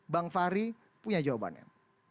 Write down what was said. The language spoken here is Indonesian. bang fahri punya jawabannya